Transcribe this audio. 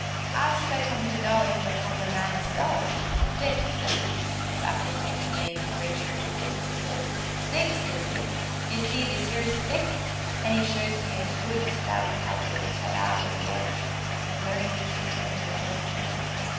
"'Ow should I come to know it but from the man 'isself? 'Dick,' says 'e" (baptismal name Richard, but Dick for short), "'Dick,' says 'e, 'd'ye see this 'ere stick?' an' 'e shows me a good, stout cudgel cut out o' th' 'edge, an' very neatly trimmed it were too.